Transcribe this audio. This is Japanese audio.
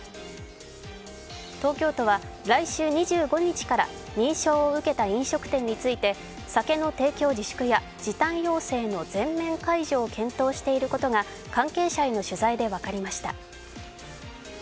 東京都は来週２５日から認証を受けた飲食店について酒の提供自粛や時短要請の全面解除などを検討していることが関係者への取材で分かりました。